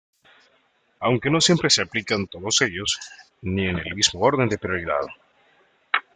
Aunque no siempre se aplican todos ellos, ni en el mismo orden de prioridad.